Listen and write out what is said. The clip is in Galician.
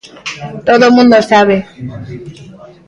Todo o mundo o sabe.